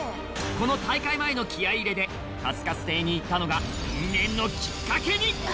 この大会前の気合入れでかつかつ亭に行ったのが因縁のきっかけに！